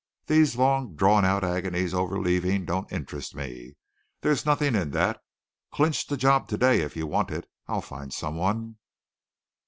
These long drawn out agonies over leaving don't interest me. There's nothing in that. Clinch the job today if you want it. I'll find someone."